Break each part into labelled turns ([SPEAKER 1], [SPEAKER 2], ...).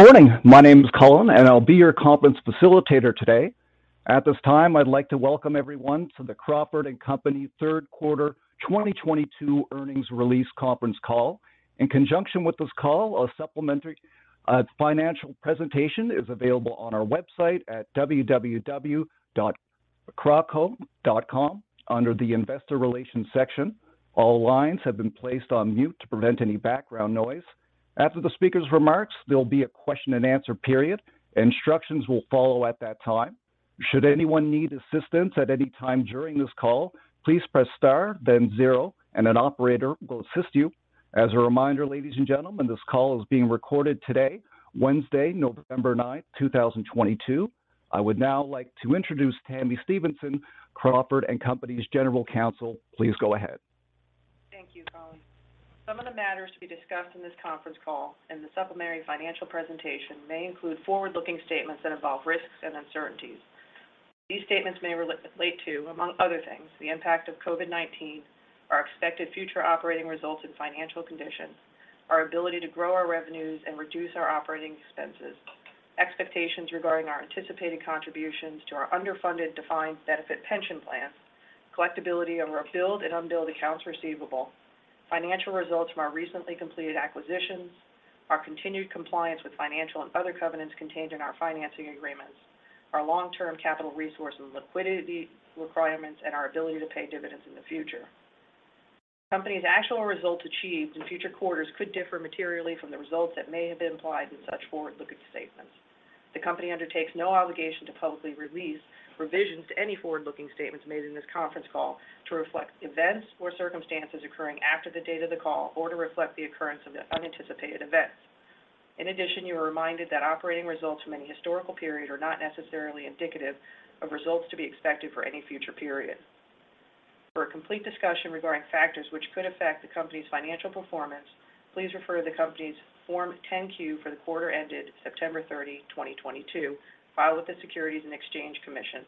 [SPEAKER 1] Good morning. My name is Colin, and I'll be your conference facilitator today. At this time, I'd like to welcome everyone to the Crawford & Company Third Quarter 2022 Earnings Release Conference Call. In conjunction with this call, a supplementary financial presentation is available on our website at www.crawco.com under the Investor Relations section. All lines have been placed on mute to prevent any background noise. After the speaker's remarks, there'll be a question and answer period. Instructions will follow at that time. Should anyone need assistance at any time during this call, please press star then zero, and an operator will assist you. As a reminder, ladies and gentlemen, this call is being recorded today, Wednesday, November 9, 2022. I would now like to introduce Tami Stevenson, Crawford & Company's General Counsel. Please go ahead.
[SPEAKER 2] Thank you, Colin. Some of the matters to be discussed in this conference call and the supplementary financial presentation may include forward-looking statements that involve risks and uncertainties. These statements may relate to, among other things, the impact of COVID-19, our expected future operating results and financial conditions, our ability to grow our revenues and reduce our operating expenses, expectations regarding our anticipated contributions to our underfunded defined benefit pension plan, collectability of our billed and unbilled accounts receivable, financial results from our recently completed acquisitions, our continued compliance with financial and other covenants contained in our financing agreements, our long-term capital resource and liquidity requirements, and our ability to pay dividends in the future. The company's actual results achieved in future quarters could differ materially from the results that may have been implied in such forward-looking statements. The company undertakes no obligation to publicly release revisions to any forward-looking statements made in this conference call to reflect events or circumstances occurring after the date of the call or to reflect the occurrence of unanticipated events. In addition, you are reminded that operating results from any historical period are not necessarily indicative of results to be expected for any future period. For a complete discussion regarding factors which could affect the company's financial performance, please refer to the company's Form 10-Q for the quarter ended September 30, 2022, filed with the Securities and Exchange Commission,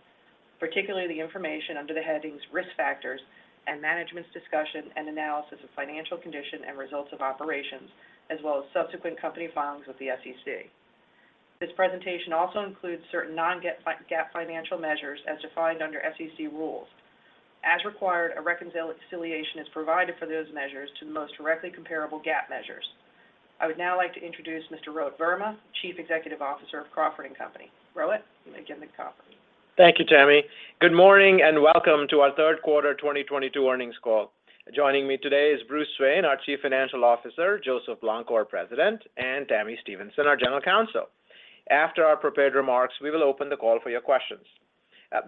[SPEAKER 2] particularly the information under the headings Risk Factors and Management's Discussion and Analysis of Financial Condition and Results of Operations, as well as subsequent company filings with the SEC. This presentation also includes certain non-GAAP, GAAP financial measures as defined under SEC rules. As required, a reconciliation is provided for those measures to the most directly comparable GAAP measures. I would now like to introduce Mr. Rohit Verma, Chief Executive Officer of Crawford & Company. Rohit, I give the conference.
[SPEAKER 3] Thank you, Tami. Good morning and welcome to our Third Quarter 2022 Earnings Call. Joining me today is Bruce Swain, our Chief Financial Officer, Joseph Blanco, President, and Tami Stevenson, our General Counsel. After our prepared remarks, we will open the call for your questions.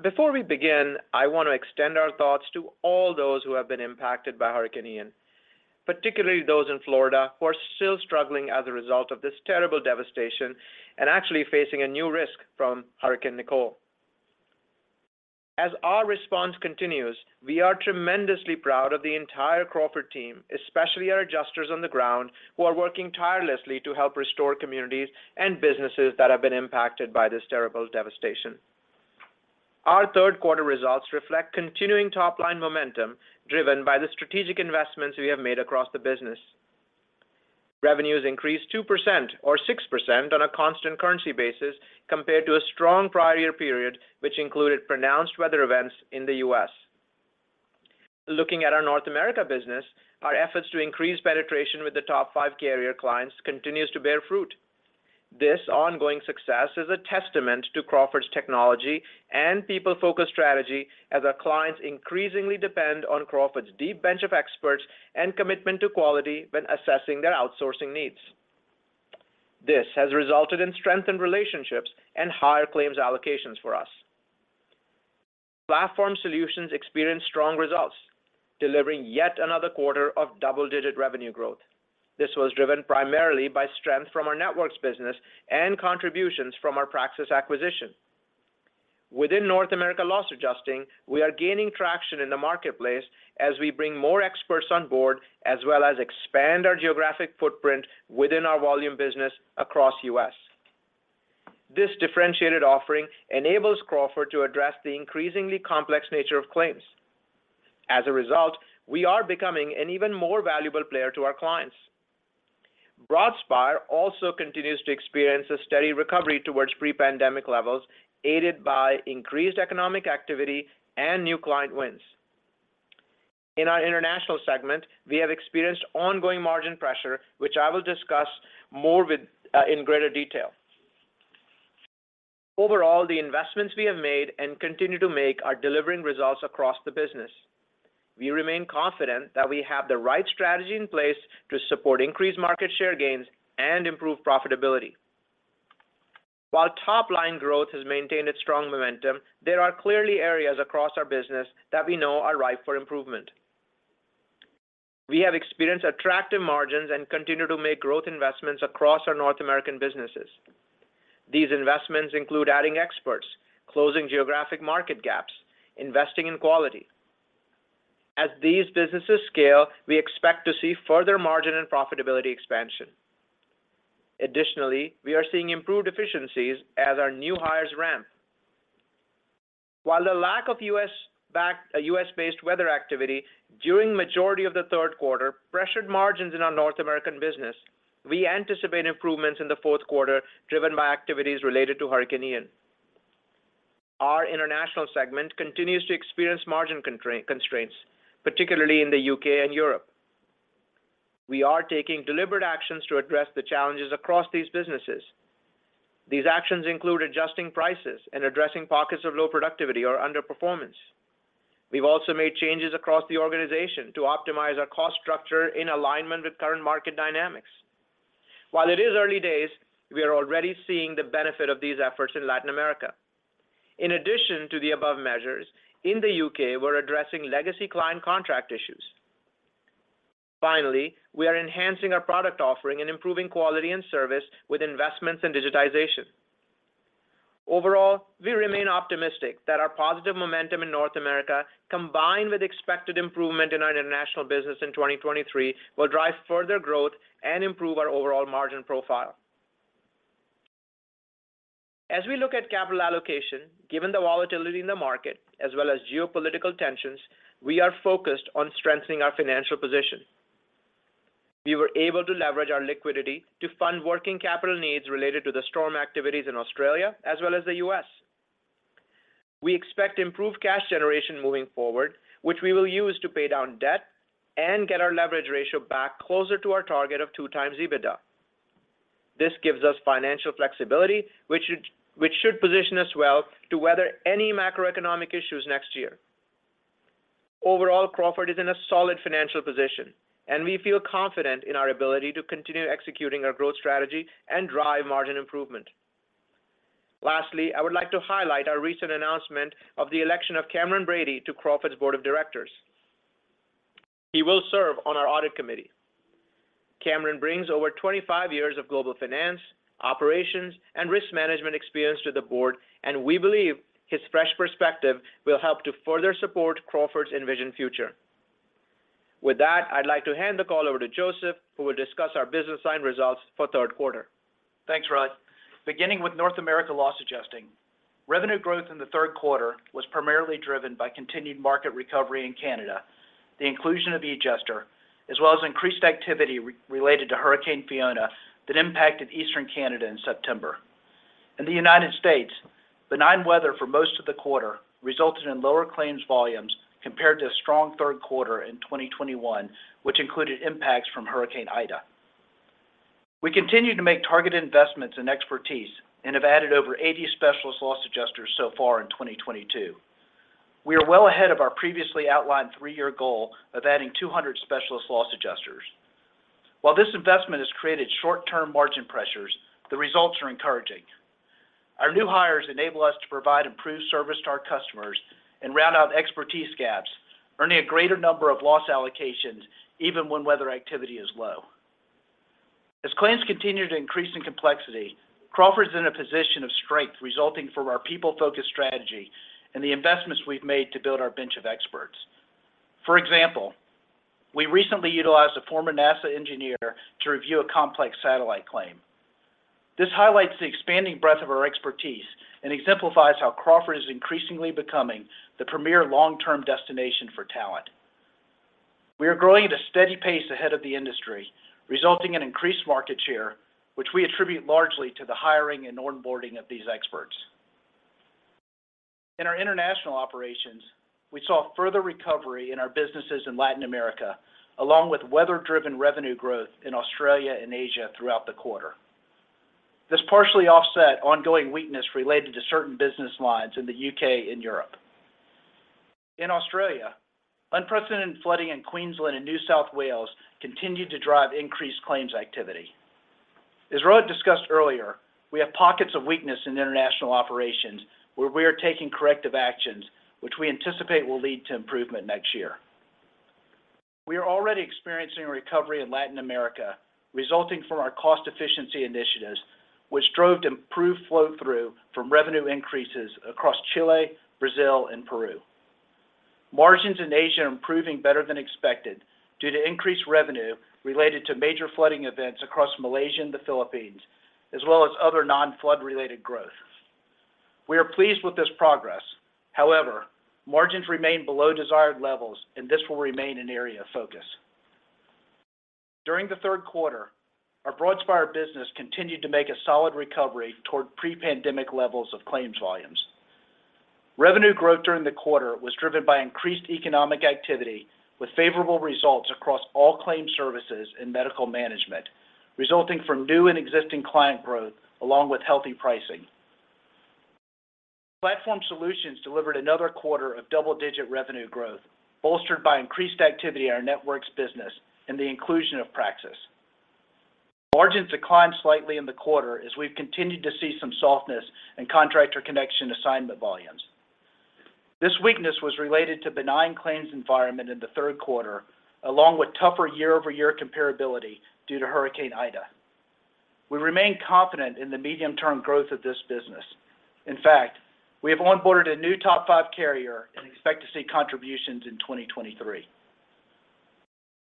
[SPEAKER 3] Before we begin, I want to extend our thoughts to all those who have been impacted by Hurricane Ian, particularly those in Florida who are still struggling as a result of this terrible devastation and actually facing a new risk from Hurricane Nicole. As our response continues, we are tremendously proud of the entire Crawford team, especially our adjusters on the ground who are working tirelessly to help restore communities and businesses that have been impacted by this terrible devastation. Our third quarter results reflect continuing top-line momentum driven by the strategic investments we have made across the business. Revenues increased 2% or 6% on a constant currency basis compared to a strong prior year period, which included pronounced weather events in the U.S. Looking at our North America business, our efforts to increase penetration with the top five carrier clients continues to bear fruit. This ongoing success is a testament to Crawford's technology and people-focused strategy as our clients increasingly depend on Crawford's deep bench of experts and commitment to quality when assessing their outsourcing needs. This has resulted in strengthened relationships and higher claims allocations for us. Platform Solutions experienced strong results, delivering yet another quarter of double-digit revenue growth. This was driven primarily by strength from our networks business and contributions from our Praxis acquisition. Within North America Loss Adjusting, we are gaining traction in the marketplace as we bring more experts on board, as well as expand our geographic footprint within our volume business across U.S. This differentiated offering enables Crawford to address the increasingly complex nature of claims. As a result, we are becoming an even more valuable player to our clients. Broadspire also continues to experience a steady recovery towards pre-pandemic levels, aided by increased economic activity and new client wins. In our international segment, we have experienced ongoing margin pressure, which I will discuss more with, in greater detail. Overall, the investments we have made and continue to make are delivering results across the business. We remain confident that we have the right strategy in place to support increased market share gains and improve profitability. While top-line growth has maintained its strong momentum, there are clearly areas across our business that we know are ripe for improvement. We have experienced attractive margins and continue to make growth investments across our North American businesses. These investments include adding experts, closing geographic market gaps, investing in quality. As these businesses scale, we expect to see further margin and profitability expansion. Additionally, we are seeing improved efficiencies as our new hires ramp. While the lack of U.S.-based weather activity during majority of the third quarter pressured margins in our North American business, we anticipate improvements in the fourth quarter driven by activities related to Hurricane Ian. Our international segment continues to experience margin constraints, particularly in the U.K. and Europe. We are taking deliberate actions to address the challenges across these businesses. These actions include adjusting prices and addressing pockets of low productivity or underperformance. We've also made changes across the organization to optimize our cost structure in alignment with current market dynamics. While it is early days, we are already seeing the benefit of these efforts in Latin America. In addition to the above measures, in the U.K., we're addressing legacy client contract issues. Finally, we are enhancing our product offering and improving quality and service with investments in digitization. Overall, we remain optimistic that our positive momentum in North America, combined with expected improvement in our international business in 2023, will drive further growth and improve our overall margin profile. As we look at capital allocation, given the volatility in the market as well as geopolitical tensions, we are focused on strengthening our financial position. We were able to leverage our liquidity to fund working capital needs related to the storm activities in Australia as well as the U.S. We expect improved cash generation moving forward, which we will use to pay down debt and get our leverage ratio back closer to our target of 2x EBITDA. This gives us financial flexibility, which should position us well to weather any macroeconomic issues next year. Overall, Crawford is in a solid financial position, and we feel confident in our ability to continue executing our growth strategy and drive margin improvement. Lastly, I would like to highlight our recent announcement of the election of Cameron Bready to Crawford's board of directors. He will serve on our audit committee. Cameron brings over 25 years of global finance, operations, and risk management experience to the board, and we believe his fresh perspective will help to further support Crawford's envisioned future. With that, I'd like to hand the call over to Joseph, who will discuss our business line results for third quarter.
[SPEAKER 4] Thanks, Rohit. Beginning with North America Loss Adjusting. Revenue growth in the third quarter was primarily driven by continued market recovery in Canada, the inclusion of edjuster, as well as increased activity related to Hurricane Fiona that impacted eastern Canada in September. In the United States, benign weather for most of the quarter resulted in lower claims volumes compared to a strong third quarter in 2021, which included impacts from Hurricane Ida. We continue to make targeted investments in expertise and have added over 80 specialist loss adjusters so far in 2022. We are well ahead of our previously outlined three-year goal of adding 200 specialist loss adjusters. While this investment has created short-term margin pressures, the results are encouraging. Our new hires enable us to provide improved service to our customers and round out expertise gaps, earning a greater number of loss allocations even when weather activity is low. As claims continue to increase in complexity, Crawford's in a position of strength resulting from our people-focused strategy and the investments we've made to build our bench of experts. For example, we recently utilized a former NASA engineer to review a complex satellite claim. This highlights the expanding breadth of our expertise and exemplifies how Crawford is increasingly becoming the premier long-term destination for talent. We are growing at a steady pace ahead of the industry, resulting in increased market share, which we attribute largely to the hiring and onboarding of these experts. In our international operations, we saw further recovery in our businesses in Latin America, along with weather-driven revenue growth in Australia and Asia throughout the quarter. This partially offset ongoing weakness related to certain business lines in the U.K. and Europe. In Australia, unprecedented flooding in Queensland and New South Wales continued to drive increased claims activity. As Rohit discussed earlier, we have pockets of weakness in international operations where we are taking corrective actions, which we anticipate will lead to improvement next year. We are already experiencing a recovery in Latin America, resulting from our cost efficiency initiatives, which drove improved flow-through from revenue increases across Chile, Brazil, and Peru. Margins in Asia are improving better than expected due to increased revenue related to major flooding events across Malaysia and the Philippines, as well as other non-flood related growth. We are pleased with this progress. However, margins remain below desired levels, and this will remain an area of focus. During the third quarter, our Broadspire business continued to make a solid recovery toward pre-pandemic levels of claims volumes. Revenue growth during the quarter was driven by increased economic activity with favorable results across all claim services and medical management, resulting from new and existing client growth along with healthy pricing. Platform Solutions delivered another quarter of double-digit revenue growth, bolstered by increased activity in our networks business and the inclusion of Praxis. Margins declined slightly in the quarter as we've continued to see some softness in Contractor Connection assignment volumes. This weakness was related to benign claims environment in the third quarter, along with tougher year-over-year comparability due to Hurricane Ida. We remain confident in the medium-term growth of this business. In fact, we have onboarded a new top five carrier and expect to see contributions in 2023.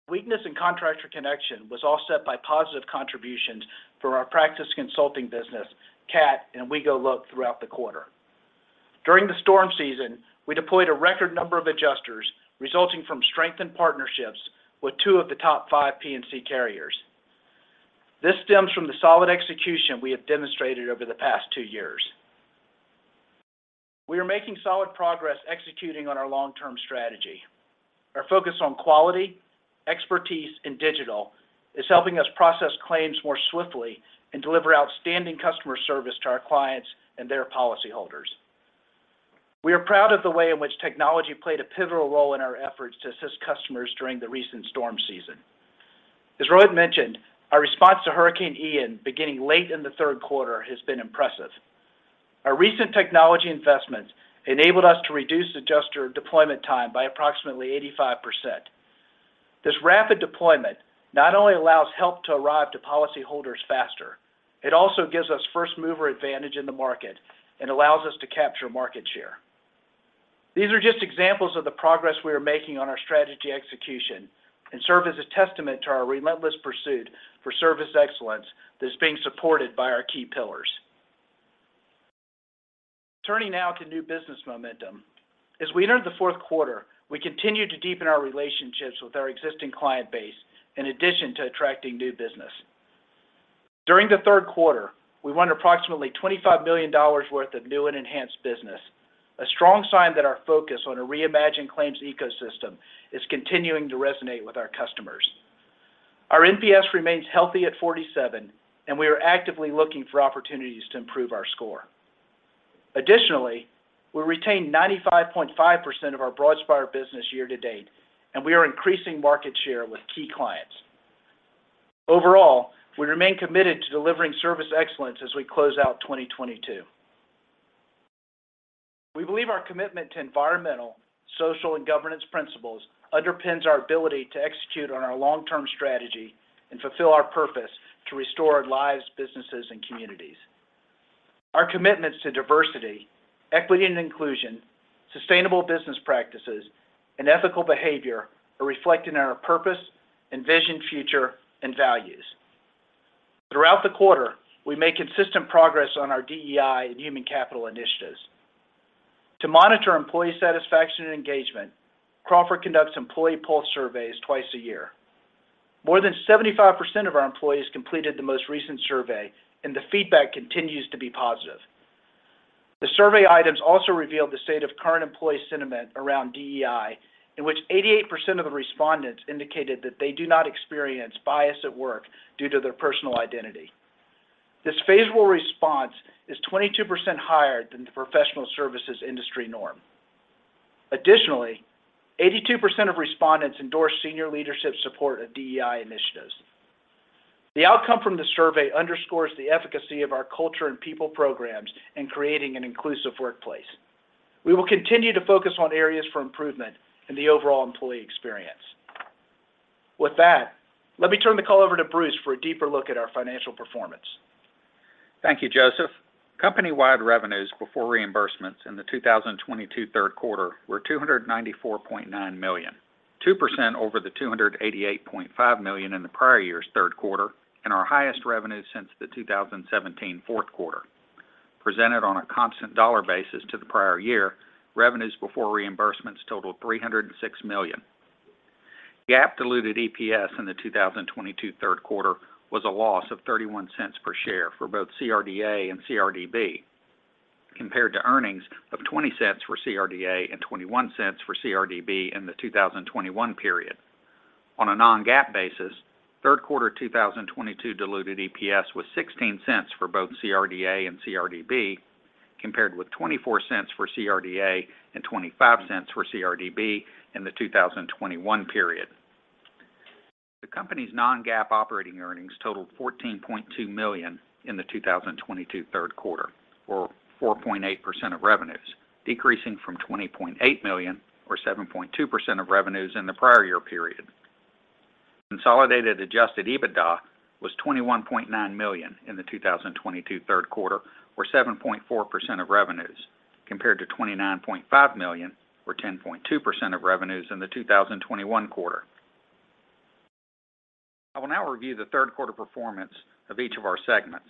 [SPEAKER 4] Weakness in Contractor Connection was offset by positive contributions from our Praxis Consulting business, Cat and WeGoLook throughout the quarter. During the storm season, we deployed a record number of edjusters, resulting from strengthened partnerships with two of the top five P&C carriers. This stems from the solid execution we have demonstrated over the past two years. We are making solid progress executing on our long-term strategy. Our focus on quality, expertise, and digital is helping us process claims more swiftly and deliver outstanding customer service to our clients and their policyholders. We are proud of the way in which technology played a pivotal role in our efforts to assist customers during the recent storm season. As Rohit mentioned, our response to Hurricane Ian beginning late in the third quarter has been impressive. Our recent technology investments enabled us to reduce adjuster deployment time by approximately 85%. This rapid deployment not only allows help to arrive to policyholders faster, it also gives us first-mover advantage in the market and allows us to capture market share. These are just examples of the progress we are making on our strategy execution and serve as a testament to our relentless pursuit for service excellence that's being supported by our key pillars. Turning now to new business momentum. As we entered the fourth quarter, we continued to deepen our relationships with our existing client base in addition to attracting new business. During the third quarter, we won approximately $25 million worth of new and enhanced business, a strong sign that our focus on a reimagined claims ecosystem is continuing to resonate with our customers. Our NPS remains healthy at 47, and we are actively looking for opportunities to improve our score. Additionally, we retained 95.5% of our Broadspire business year to date, and we are increasing market share with key clients. Overall, we remain committed to delivering service excellence as we close out 2022. We believe our commitment to environmental, social, and governance principles underpins our ability to execute on our long-term strategy and fulfill our purpose to restore lives, businesses, and communities. Our commitments to diversity, equity and inclusion, sustainable business practices, and ethical behavior are reflected in our purpose and vision, future and values. Throughout the quarter, we made consistent progress on our DEI and human capital initiatives. To monitor employee satisfaction and engagement, Crawford conducts employee pulse surveys twice a year. More than 75% of our employees completed the most recent survey, and the feedback continues to be positive. The survey items also revealed the state of current employee sentiment around DEI, in which 88% of the respondents indicated that they do not experience bias at work due to their personal identity. This favorable response is 22% higher than the professional services industry norm. Additionally, 82% of respondents endorsed senior leadership support of DEI initiatives. The outcome from the survey underscores the efficacy of our culture and people programs in creating an inclusive workplace. We will continue to focus on areas for improvement in the overall employee experience. With that, let me turn the call over to Bruce for a deeper look at our financial performance.
[SPEAKER 5] Thank you, Joseph. Company-wide revenues before reimbursements in the 2022 third quarter were $294.9 million, 2% over the $288.5 million in the prior year's third quarter and our highest revenue since the 2017 fourth quarter. Presented on a constant dollar basis to the prior year, revenues before reimbursements totaled $306 million. GAAP diluted EPS in the 2022 third quarter was a loss of $0.31 per share for both CRDA and CRDB, compared to earnings of $0.20 for CRDA and $0.21 for CRDB in the 2021 period. On a non-GAAP basis, third quarter 2022 diluted EPS was $0.16 for both CRDA and CRDB, compared with $0.24 for CRDA and $0.25 for CRDB in the 2021 period. The company's non-GAAP operating earnings totaled $14.2 million in the 2022 third quarter, or 4.8% of revenues, decreasing from $20.8 million or 7.2% of revenues in the prior year period. Consolidated adjusted EBITDA was $21.9 million in the 2022 third quarter, or 7.4% of revenues, compared to $29.5 million or 10.2% of revenues in the 2021 quarter. I will now review the third quarter performance of each of our segments.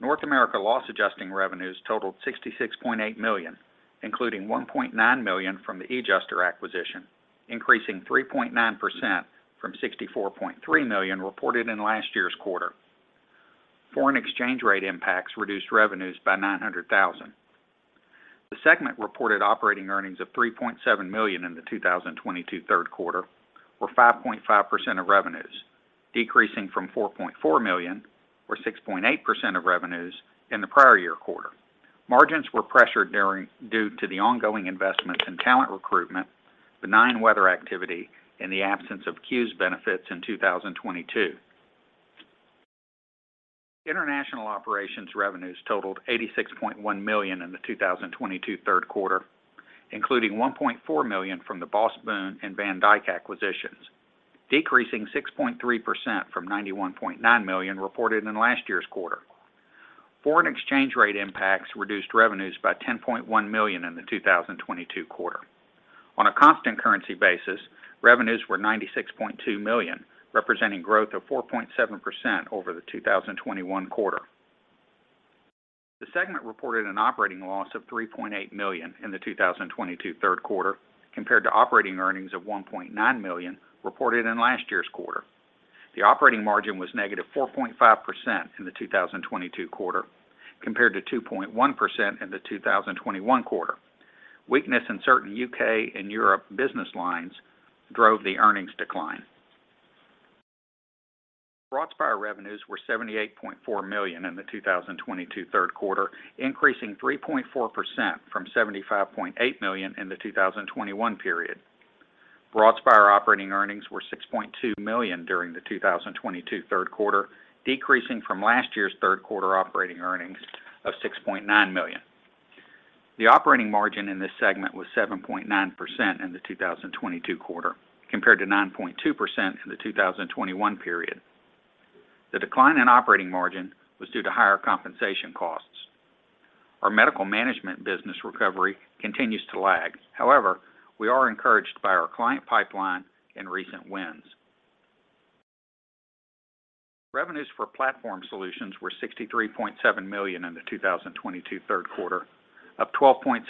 [SPEAKER 5] North America Loss Adjusting revenues totaled $66.8 million, including $1.9 million from the edjuster acquisition, increasing 3.9% from $64.3 million reported in last year's quarter. Foreign exchange rate impacts reduced revenues by $900,000. The segment reported operating earnings of $3.7 million in the 2022 third quarter, or 5.5% of revenues, decreasing from $4.4 million or 6.8% of revenues in the prior year quarter. Margins were pressured due to the ongoing investments in talent recruitment, benign weather activity, and the absence of CEWS benefits in 2022. International operations revenues totaled $86.1 million in the 2022 third quarter, including $1.4 million from the BosBoon and Van Dijk acquisitions, decreasing 6.3% from $91.9 million reported in last year's quarter. Foreign exchange rate impacts reduced revenues by $10.1 million in the 2022 quarter. On a constant currency basis, revenues were $96.2 million, representing growth of 4.7% over the 2021 quarter. The segment reported an operating loss of $3.8 million in the 2022 third quarter compared to operating earnings of $1.9 million reported in last year's quarter. The operating margin was -4.5% in the 2022 quarter compared to 2.1% in the 2021 quarter. Weakness in certain U.K. and Europe business lines drove the earnings decline. Broadspire revenues were $78.4 million in the 2022 third quarter, increasing 3.4% from $75.8 million in the 2021 period. Broadspire operating earnings were $6.2 million during the 2022 third quarter, decreasing from last year's third quarter operating earnings of $6.9 million. The operating margin in this segment was 7.9% in the 2022 quarter compared to 9.2% in the 2021 period. The decline in operating margin was due to higher compensation costs. Our medical management business recovery continues to lag. However, we are encouraged by our client pipeline and recent wins. Revenues for Platform Solutions were $63.7 million in the 2022 third quarter, up 12.7%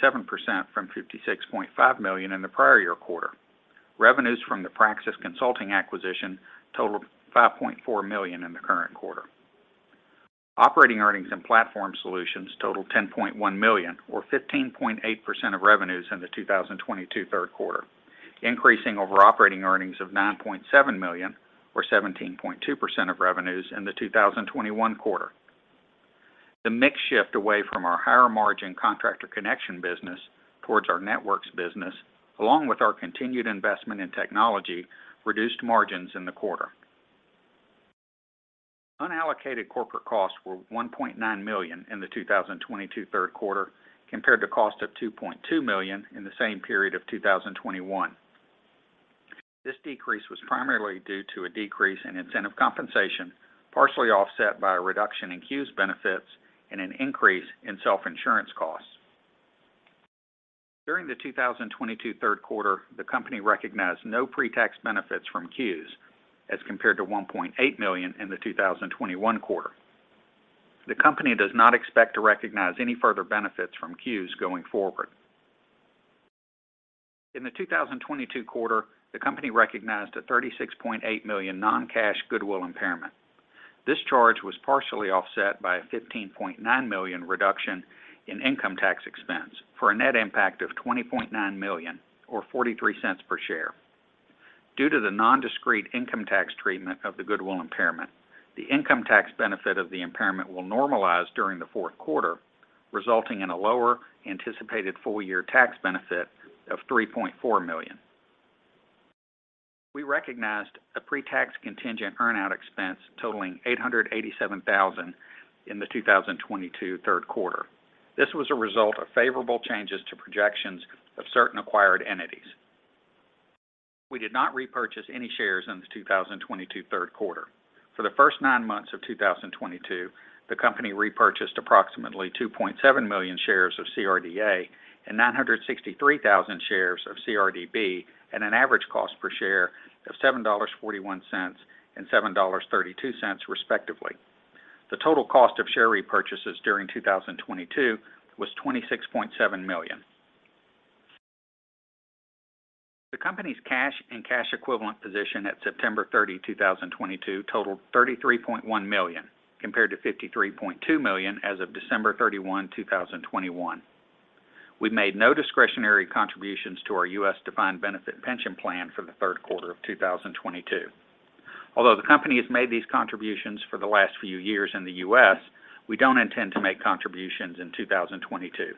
[SPEAKER 5] from $56.5 million in the prior year quarter. Revenues from the Praxis Consulting acquisition totaled $5.4 million in the current quarter. Operating earnings in Platform Solutions totaled $10.1 million or 15.8% of revenues in the 2022 third quarter, increasing over operating earnings of $9.7 million or 17.2% of revenues in the 2021 quarter. The mix shift away from our higher margin Contractor Connection business towards our networks business, along with our continued investment in technology, reduced margins in the quarter. Unallocated corporate costs were $1.9 million in the 2022 third quarter compared to cost of $2.2 million in the same period of 2021. This decrease was primarily due to a decrease in incentive compensation, partially offset by a reduction in CEWS benefits and an increase in self-insurance costs. During the 2022 third quarter, the company recognized no pre-tax benefits from CEWS as compared to $1.8 million in the 2021 quarter. The company does not expect to recognize any further benefits from CEWS going forward. In the 2022 quarter, the company recognized a $36.8 million non-cash goodwill impairment. This charge was partially offset by a $15.9 million reduction in income tax expense for a net impact of $20.9 million or $0.43 per share. Due to the non-discrete income tax treatment of the goodwill impairment, the income tax benefit of the impairment will normalize during the fourth quarter, resulting in a lower anticipated full year tax benefit of $3.4 million. We recognized a pre-tax contingent earn-out expense totaling $887,000 in the 2022 third quarter. This was a result of favorable changes to projections of certain acquired entities. We did not repurchase any shares in the 2022 third quarter. For the first nine months of 2022, the company repurchased approximately 2.7 million shares of CRDA and 963,000 shares of CRDB at an average cost per share of $7.41 and $7.32, respectively. The total cost of share repurchases during 2022 was $26.7 million. The company's cash and cash equivalent position at September 30, 2022 totaled $33.1 million compared to $53.2 million as of December 31, 2021. We made no discretionary contributions to our U.S. defined benefit pension plan for the third quarter of 2022. Although the company has made these contributions for the last few years in the U.S., we don't intend to make contributions in 2022.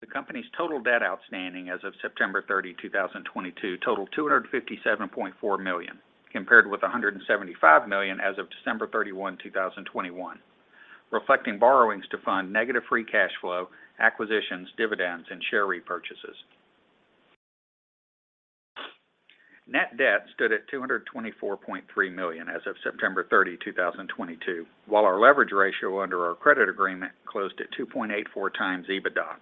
[SPEAKER 5] The company's total debt outstanding as of September 30, 2022 totaled $257.4 million compared with $175 million as of December 31, 2021, reflecting borrowings to fund negative free cash flow, acquisitions, dividends, and share repurchases. Net debt stood at $224.3 million as of September 30, 2022, while our leverage ratio under our credit agreement closed at 2.84x EBITDA.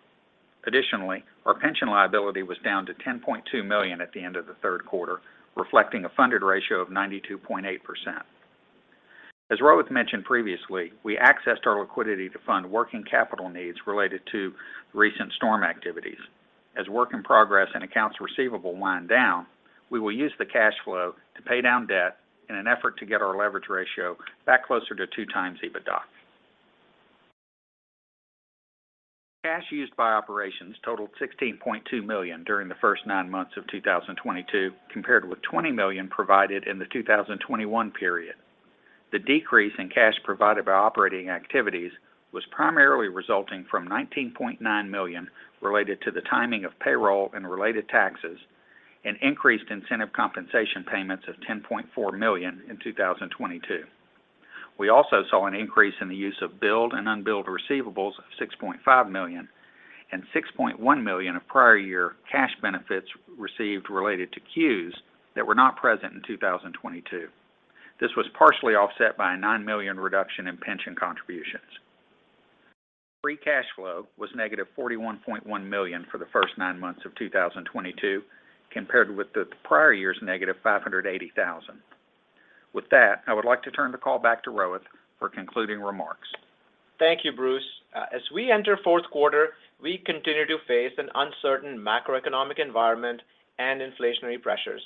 [SPEAKER 5] Additionally, our pension liability was down to $10.2 million at the end of the third quarter, reflecting a funded ratio of 92.8%. As Rohit Verma mentioned previously, we accessed our liquidity to fund working capital needs related to recent storm activities. As work in progress and accounts receivable wind down, we will use the cash flow to pay down debt in an effort to get our leverage ratio back closer to 2x EBITDA. Cash used by operations totaled $16.2 million during the first nine months of 2022 compared with $20 million provided in the 2021 period. The decrease in cash provided by operating activities was primarily resulting from $19.9 million related to the timing of payroll and related taxes and increased incentive compensation payments of $10.4 million in 2022. We also saw an increase in the use of billed and unbilled receivables of $6.5 million and $6.1 million of prior year cash benefits received related to CEWS that were not present in 2022. This was partially offset by a $9 million reduction in pension contributions. Free cash flow was -$41.1 million for the first nine months of 2022, compared with the prior year's -$580,000. With that, I would like to turn the call back to Rohit for concluding remarks.
[SPEAKER 3] Thank you, Bruce. As we enter fourth quarter, we continue to face an uncertain macroeconomic environment and inflationary pressures.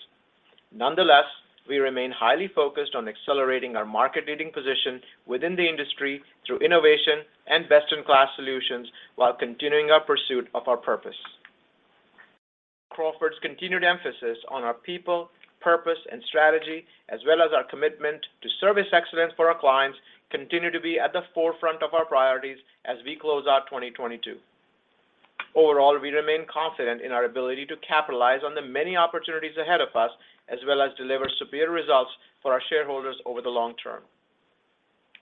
[SPEAKER 3] Nonetheless, we remain highly focused on accelerating our market-leading position within the industry through innovation and best-in-class solutions while continuing our pursuit of our purpose. Crawford's continued emphasis on our people, purpose, and strategy, as well as our commitment to service excellence for our clients, continue to be at the forefront of our priorities as we close out 2022. Overall, we remain confident in our ability to capitalize on the many opportunities ahead of us, as well as deliver superior results for our shareholders over the long term.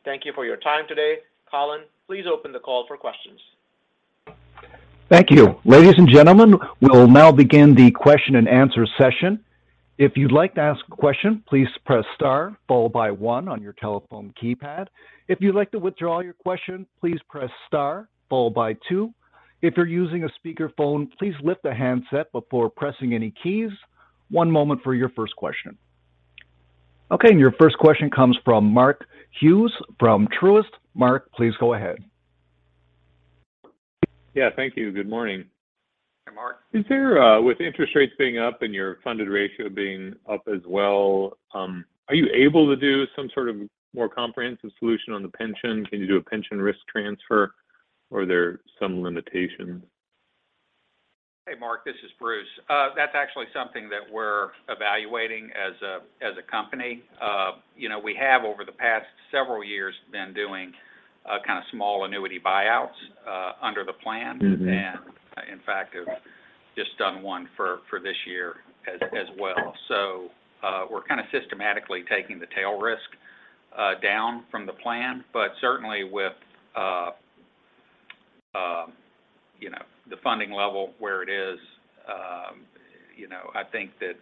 [SPEAKER 3] Thank you for your time today. Colin, please open the call for questions.
[SPEAKER 1] Thank you. Ladies and gentlemen, we will now begin the question and answer session. If you'd like to ask a question, please press star followed by one on your telephone keypad. If you'd like to withdraw your question, please press star followed by two. If you're using a speakerphone, please lift the handset before pressing any keys. One moment for your first question. Okay, your first question comes from Mark Hughes from Truist. Mark, please go ahead.
[SPEAKER 6] Yeah, thank you. Good morning.
[SPEAKER 3] Hey, Mark.
[SPEAKER 6] Is there, with interest rates being up and your funded ratio being up as well, are you able to do some sort of more comprehensive solution on the pension? Can you do a pension risk transfer?, or are there some limitations?
[SPEAKER 5] Hey, Mark Hughes, this is Bruce Swain. That's actually something that we're evaluating as a company. You know, we have, over the past several years, been doing kind of small annuity buyouts under the plan.
[SPEAKER 6] Mm-hmm.
[SPEAKER 5] In fact, have just done one for this year as well. We're kind of systematically taking the tail risk down from the plan. Certainly with, you know, the funding level where it is, you know, I think that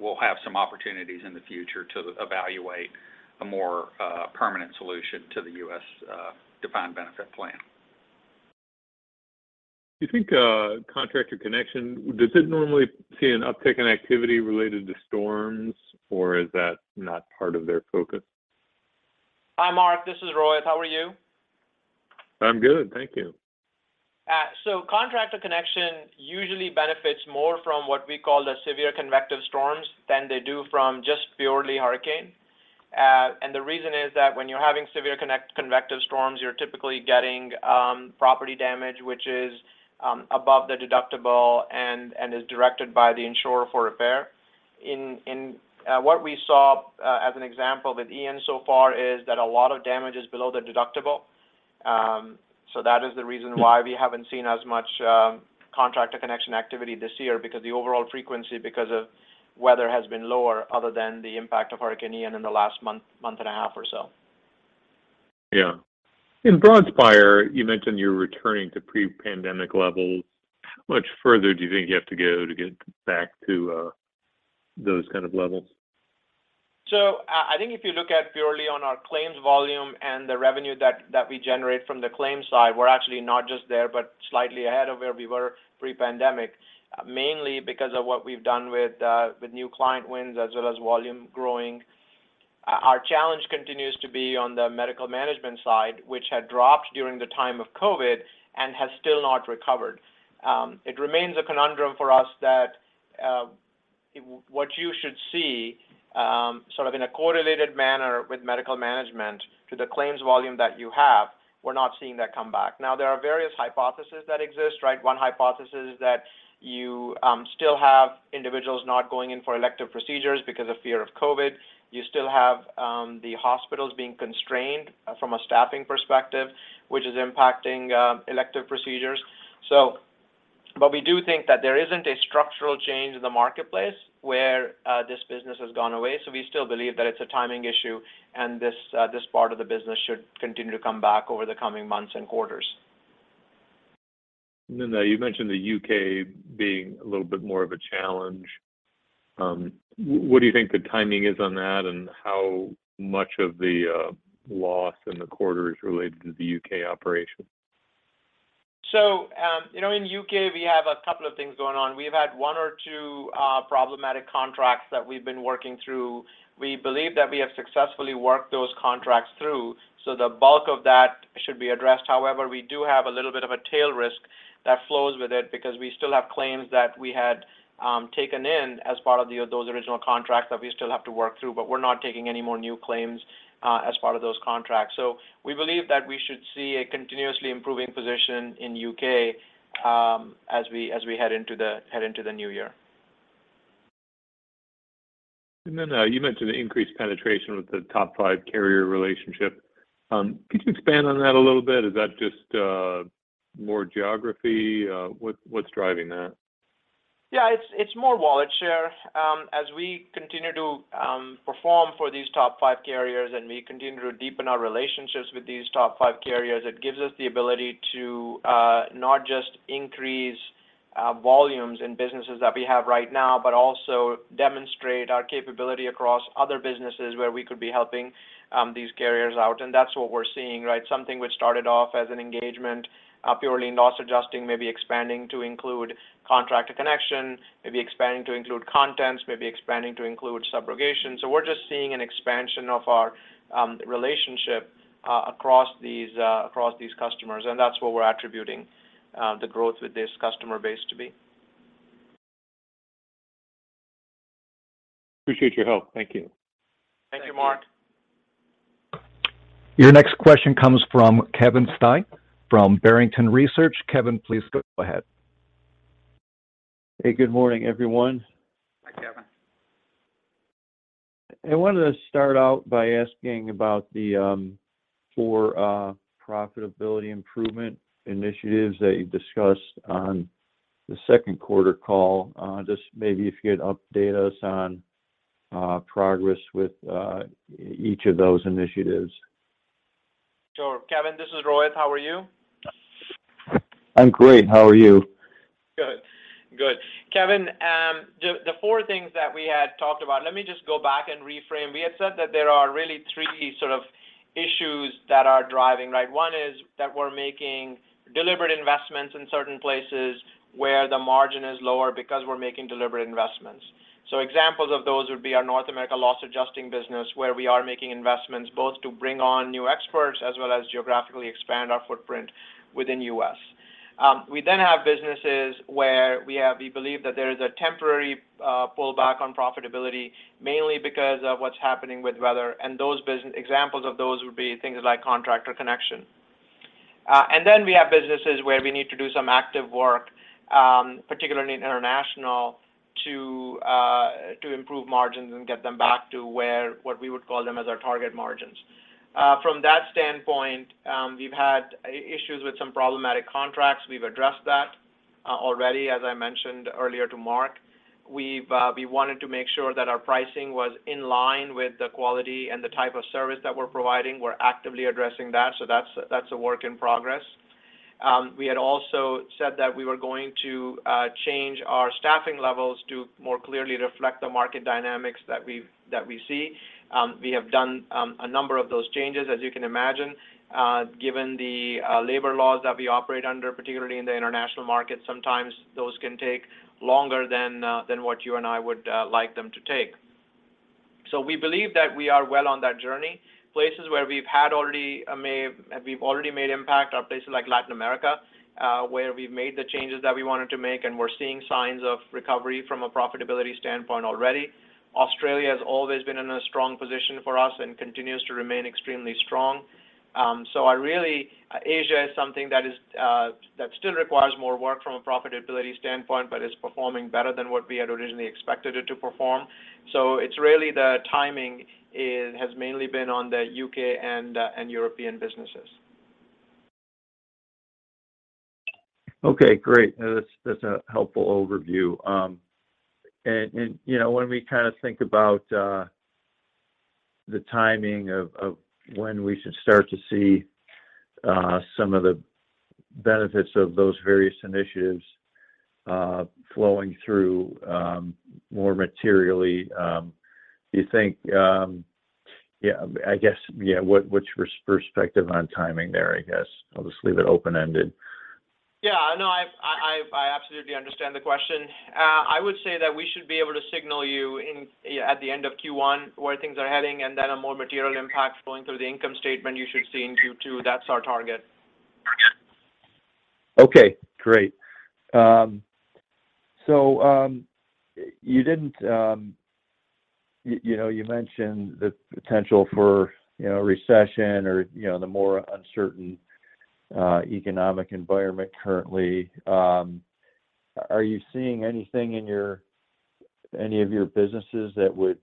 [SPEAKER 5] we'll have some opportunities in the future to evaluate a more permanent solution to the U.S. defined benefit plan.
[SPEAKER 6] Do you think, Contractor Connection, does it normally see an uptick in activity related to storms, or is that not part of their focus?
[SPEAKER 3] Hi, Mark. This is Rohit. How are you?
[SPEAKER 6] I'm good. Thank you.
[SPEAKER 3] Contractor Connection usually benefits more from what we call the severe convective storms than they do from just purely hurricane. The reason is that when you're having severe convective storms, you're typically getting property damage, which is above the deductible and is directed by the insurer for repair. In what we saw as an example with Ian so far is that a lot of damage is below the deductible. That is the reason why we haven't seen as much Contractor Connection activity this year because the overall frequency because of weather has been lower other than the impact of Hurricane Ian in the last month and a half or so.
[SPEAKER 6] Yeah. In Broadspire, you mentioned you're returning to pre-pandemic levels. How much further do you think you have to go to get back to those kind of levels?
[SPEAKER 3] I think if you look at purely on our claims volume and the revenue that we generate from the claims side, we're actually not just there, but slightly ahead of where we were pre-pandemic, mainly because of what we've done with new client wins as well as volume growing. Our challenge continues to be on the medical management side, which had dropped during the time of COVID and has still not recovered. It remains a conundrum for us that what you should see sort of in a correlated manner with medical management to the claims volume that you have, we're not seeing that come back. Now, there are various hypotheses that exist, right? One hypothesis is that you still have individuals not going in for elective procedures because of fear of COVID. You still have the hospitals being constrained from a staffing perspective, which is impacting elective procedures. We do think that there isn't a structural change in the marketplace where this business has gone away, so we still believe that it's a timing issue, and this part of the business should continue to come back over the coming months and quarters.
[SPEAKER 6] You mentioned the U.K. being a little bit more of a challenge. What do you think the timing is on that, and how much of the loss in the quarter is related to the U.K. operation?
[SPEAKER 3] You know, in U.K., we have a couple of things going on. We've had one or two problematic contracts that we've been working through. We believe that we have successfully worked those contracts through, so the bulk of that should be addressed. However, we do have a little bit of a tail risk that flows with it because we still have claims that we had taken in as part of those original contracts that we still have to work through, but we're not taking any more new claims as part of those contracts. We believe that we should see a continuously improving position in U.K. as we head into the new year.
[SPEAKER 6] You mentioned the increased penetration with the top five carrier relationship. Could you expand on that a little bit? Is that just more geography? What's driving that?
[SPEAKER 3] Yeah, it's more wallet share. As we continue to perform for these top five carriers, and we continue to deepen our relationships with these top five carriers, it gives us the ability to not just increase volumes in businesses that we have right now, but also demonstrate our capability across other businesses where we could be helping these carriers out, and that's what we're seeing, right? Something which started off as an engagement purely in loss adjusting, maybe expanding to include Contractor Connection, maybe expanding to include contents, maybe expanding to include subrogation. We're just seeing an expansion of our relationship across these customers, and that's what we're attributing the growth with this customer base to be.
[SPEAKER 6] Appreciate your help. Thank you.
[SPEAKER 3] Thank you, Mark.
[SPEAKER 1] Your next question comes from Kevin Steinke from Barrington Research. Kevin, please go ahead.
[SPEAKER 7] Hey, good morning, everyone.
[SPEAKER 3] Hi, Kevin.
[SPEAKER 7] I wanted to start out by asking about the four profitability improvement initiatives that you discussed on the second quarter call. Just maybe if you could update us on progress with each of those initiatives.
[SPEAKER 3] Sure. Kevin, this is Rohit. How are you?
[SPEAKER 7] I'm great. How are you?
[SPEAKER 3] Good. Good. Kevin, the four things that we had talked about. Let me just go back and reframe. We had said that there are really three sort of issues that are driving, right? One is that we're making deliberate investments in certain places where the margin is lower because we're making deliberate investments. So examples of those would be our North America Loss Adjusting business, where we are making investments both to bring on new experts as well as geographically expand our footprint within the U.S. We then have businesses where we believe that there is a temporary pullback on profitability, mainly because of what's happening with weather, and those examples of those would be things like Contractor Connection. We have businesses where we need to do some active work, particularly in international to improve margins and get them back to where what we would call them as our target margins. From that standpoint, we've had issues with some problematic contracts. We've addressed that already, as I mentioned earlier to Mark. We wanted to make sure that our pricing was in line with the quality and the type of service that we're providing. We're actively addressing that, so that's a work in progress. We had also said that we were going to change our staffing levels to more clearly reflect the market dynamics that we see. We have done a number of those changes, as you can imagine. Given the labor laws that we operate under, particularly in the international market, sometimes those can take longer than what you and I would like them to take. We believe that we are well on that journey. Places where we've already made impact are places like Latin America, where we've made the changes that we wanted to make, and we're seeing signs of recovery from a profitability standpoint already. Australia has always been in a strong position for us and continues to remain extremely strong. Asia is something that still requires more work from a profitability standpoint, but is performing better than what we had originally expected it to perform. It's really the timing has mainly been on the U.K. and European businesses.
[SPEAKER 7] Okay, great. That's a helpful overview. And you know, when we kind of think about the timing of when we should start to see some of the benefits of those various initiatives flowing through more materially, do you think, yeah, I guess, yeah, what's your perspective on timing there, I guess? I'll just leave it open-ended.
[SPEAKER 3] Yeah. No, I absolutely understand the question. I would say that we should be able to signal you in at the end of Q1 where things are heading, and then a more material impact flowing through the income statement you should see in Q2. That's our target.
[SPEAKER 7] Okay, great. You know, you mentioned the potential for, you know, recession or, you know, the more uncertain economic environment currently. Are you seeing anything in any of your businesses that would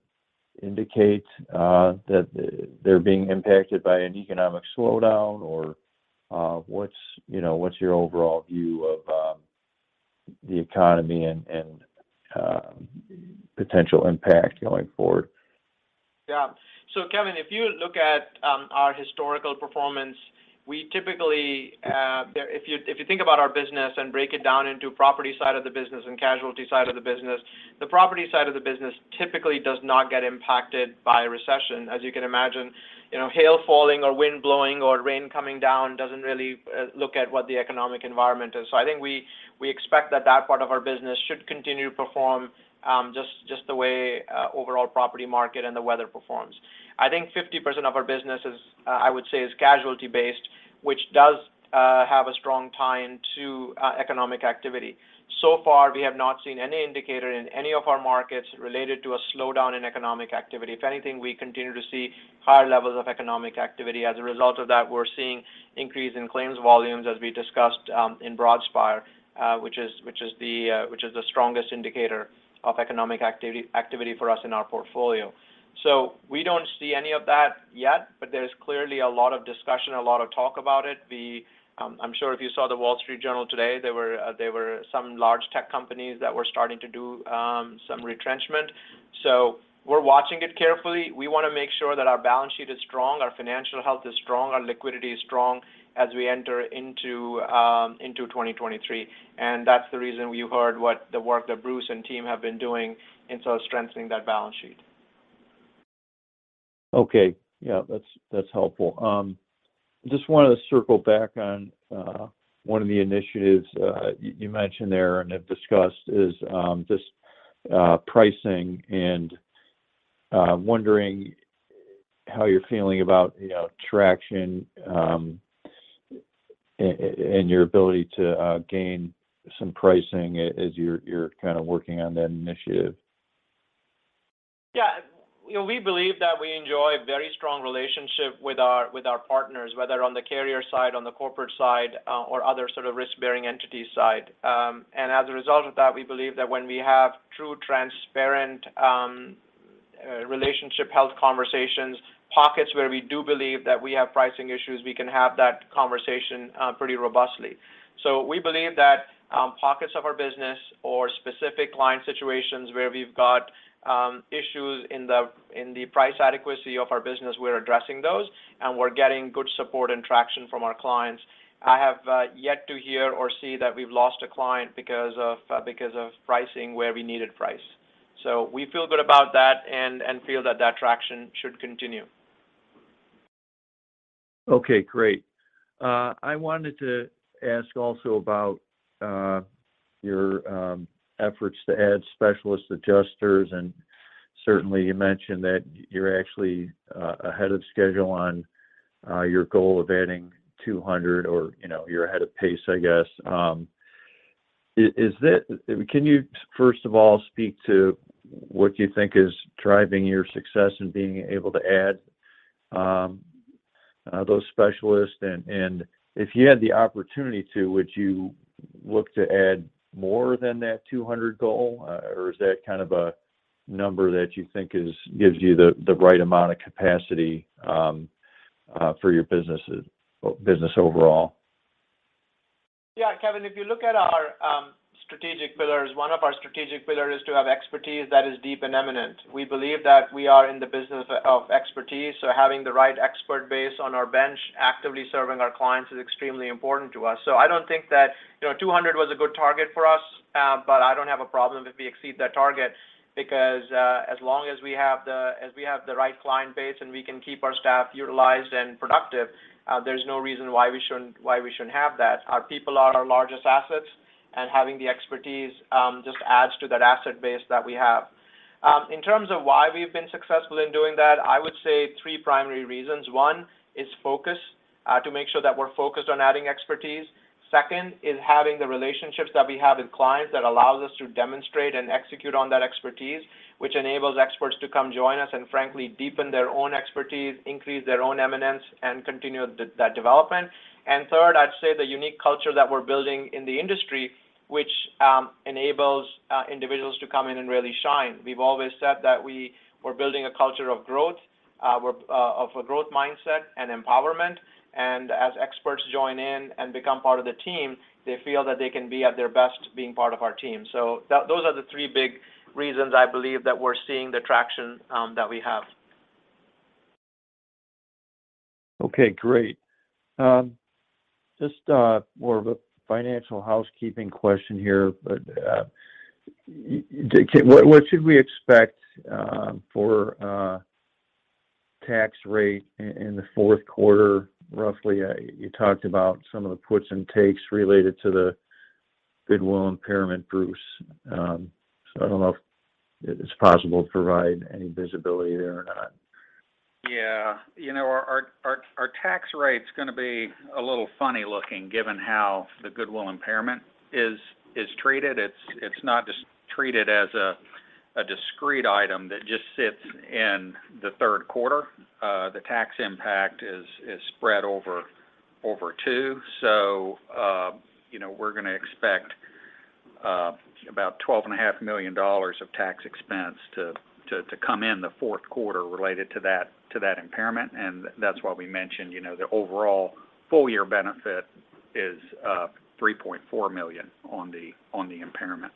[SPEAKER 7] indicate that they're being impacted by an economic slowdown? Or, what's your overall view of the economy and potential impact going forward?
[SPEAKER 3] Yeah. Kevin, if you look at our historical performance, we typically. If you think about our business and break it down into property side of the business and casualty side of the business, the property side of the business typically does not get impacted by a recession. As you can imagine, you know, hail falling or wind blowing or rain coming down doesn't really look at what the economic environment is. I think we expect that that part of our business should continue to perform just the way overall property market and the weather performs. I think 50% of our business is, I would say, is casualty based, which does have a strong tie in to economic activity. So far, we have not seen any indicator in any of our markets related to a slowdown in economic activity. If anything, we continue to see higher levels of economic activity. As a result of that, we're seeing increase in claims volumes as we discussed in Broadspire, which is the strongest indicator of economic activity for us in our portfolio. We don't see any of that yet, but there's clearly a lot of discussion, a lot of talk about it. I'm sure if you saw The Wall Street Journal today, there were some large tech companies that were starting to do some retrenchment. We're watching it carefully. We wanna make sure that our balance sheet is strong, our financial health is strong, our liquidity is strong as we enter into 2023. That's the reason you heard what the work that Bruce and team have been doing in sort of strengthening that balance sheet.
[SPEAKER 7] Okay. Yeah, that's helpful. Just wanted to circle back on one of the initiatives you mentioned there and have discussed is just pricing and wondering how you're feeling about, you know, traction, and your ability to gain some pricing as you're kind of working on that initiative.
[SPEAKER 3] Yeah. You know, we believe that we enjoy a very strong relationship with our partners, whether on the carrier side, on the corporate side, or other sort of risk-bearing entity side. As a result of that, we believe that when we have true transparent relationship health conversations, pockets where we do believe that we have pricing issues, we can have that conversation pretty robustly. We believe that pockets of our business or specific client situations where we've got issues in the price adequacy of our business, we're addressing those, and we're getting good support and traction from our clients. I have yet to hear or see that we've lost a client because of pricing where we needed price. We feel good about that and feel that that traction should continue.
[SPEAKER 7] Okay, great. I wanted to ask also about your efforts to add specialist adjusters, and certainly you mentioned that you're actually ahead of schedule on your goal of adding 200 or, you know, you're ahead of pace, I guess. Is this? Can you first of all speak to what you think is driving your success in being able to add those specialists? If you had the opportunity to, would you look to add more than that 200 goal, or is that kind of a number that you think is gives you the right amount of capacity for your businesses or business overall?
[SPEAKER 3] Yeah. Kevin, if you look at our strategic pillars, one of our strategic pillars is to have expertise that is deep and eminent. We believe that we are in the business of expertise, so having the right expert base on our bench actively serving our clients is extremely important to us. I don't think that, you know, 200 was a good target for us, but I don't have a problem if we exceed that target because, as long as we have the right client base and we can keep our staff utilized and productive, there's no reason why we shouldn't have that. Our people are our largest assets, and having the expertise just adds to that asset base that we have. In terms of why we've been successful in doing that, I would say three primary reasons. One is focus to make sure that we're focused on adding expertise. Second is having the relationships that we have with clients that allows us to demonstrate and execute on that expertise, which enables experts to come join us, and frankly deepen their own expertise, increase their own eminence, and continue that development. Third, I'd say the unique culture that we're building in the industry, which enables individuals to come in and really shine. We've always said that we were building a culture of growth, we're of a growth mindset and empowerment. As experts join in and become part of the team, they feel that they can be at their best being part of our team. Those are the three big reasons I believe that we're seeing the traction that we have.
[SPEAKER 7] Okay, great. Just more of a financial housekeeping question here. What should we expect for tax rate in the fourth quarter roughly? You talked about some of the puts and takes related to the goodwill impairment, Bruce. I don't know if it's possible to provide any visibility there or not.
[SPEAKER 5] Yeah. You know, our tax rate's gonna be a little funny looking given how the goodwill impairment is treated. It's not just treated as a discrete item that just sits in the third quarter. The tax impact is spread over two. You know, we're gonna expect about $12.5 million of tax expense to come in the fourth quarter related to that impairment. That's why we mentioned, you know, the overall full year benefit is $3.4 million on the impairment.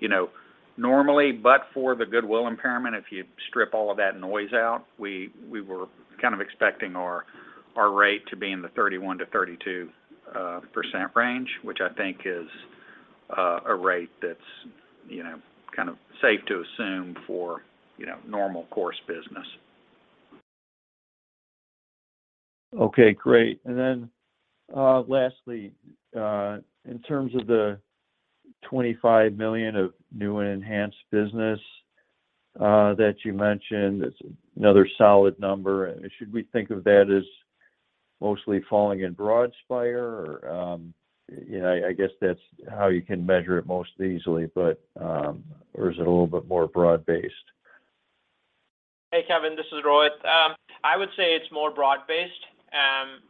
[SPEAKER 5] You know, normally, but for the goodwill impairment, if you strip all of that noise out, we were kind of expecting our rate to be in the 31%-32% range, which I think is a rate that's, you know, kind of safe to assume for, you know, normal course business.
[SPEAKER 7] Okay, great. Lastly, in terms of the $25 million of new and enhanced business that you mentioned, it's another solid number. Should we think of that as mostly falling in Broadspire? Or, you know, I guess that's how you can measure it most easily, but or is it a little bit more broad-based?
[SPEAKER 3] Hey, Kevin, this is Rohit. I would say it's more broad-based.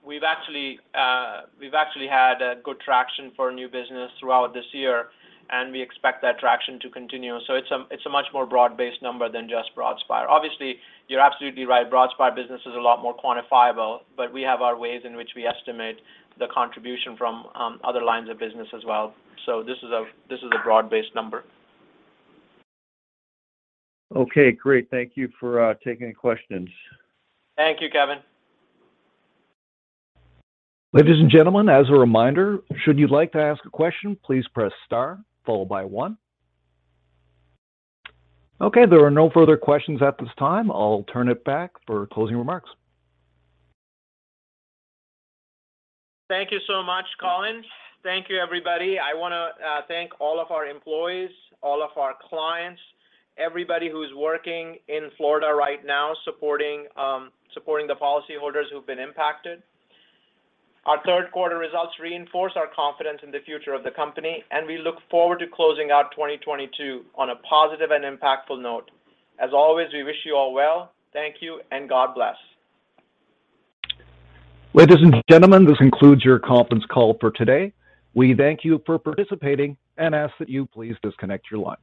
[SPEAKER 3] We've actually had a good traction for new business throughout this year, and we expect that traction to continue. It's a much more broad-based number than just Broadspire. Obviously, you're absolutely right, Broadspire business is a lot more quantifiable, but we have our ways in which we estimate the contribution from other lines of business as well. This is a broad-based number.
[SPEAKER 7] Okay, great. Thank you for taking the questions.
[SPEAKER 3] Thank you, Kevin.
[SPEAKER 1] Ladies and gentlemen, as a reminder, should you like to ask a question, please press star followed by one. Okay, there are no further questions at this time. I'll turn it back for closing remarks.
[SPEAKER 3] Thank you so much, Colin. Thank you, everybody. I wanna thank all of our employees, all of our clients, everybody who's working in Florida right now supporting the policy holders who've been impacted. Our third quarter results reinforce our confidence in the future of the company, and we look forward to closing out 2022 on a positive and impactful note. As always, we wish you all well. Thank you, and God bless.
[SPEAKER 1] Ladies and gentlemen, this concludes your conference call for today. We thank you for participating and ask that you please disconnect your lines.